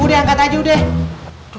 udah angkat aja udah